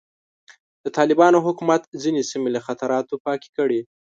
د طالبانو حکومت ځینې سیمې له خطراتو پاکې کړې.